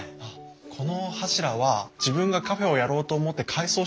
この柱は自分がカフェをやろうと思って改装した時に出てきたんですよ。